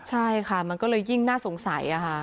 ใช่ค่ะมันก็เลยยิ่งน่าสงสัยค่ะ